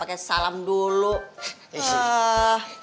eh kemari deh